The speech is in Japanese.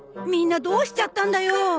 みんなどうしちゃったんだよ！